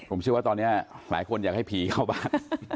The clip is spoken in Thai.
ผมเชื่อว่าตอนนี้หลายคนอยากให้ผีเข้าบ้าน